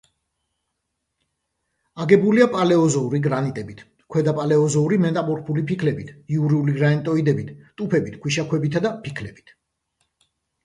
აგებულია პალეოზოური გრანიტებით, ქვედაპალეოზოური მეტამორფული ფიქლებით, იურული გრანიტოიდებით, ტუფებით, ქვიშაქვებითა და ფიქლებით.